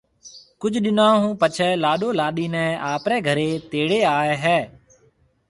ڪجھ ڏنون ھون پڇيَ لاڏو لاڏِي نيَ آپرَي گھرَي تيڙي آئيَ ھيََََ